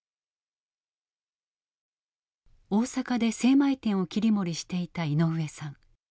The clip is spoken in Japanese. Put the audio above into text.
大阪で精米店を切り盛りしていた井上さん。